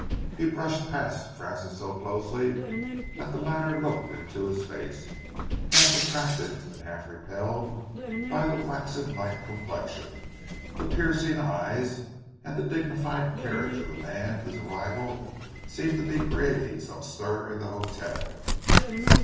He brushed past Francis so closely that the latter looked into his face, half attracted and half repelled by the waxen like complexion, the piercing eyes, and the dignified carriage of the man whose arrival seemed to be creating some stir in the hotel.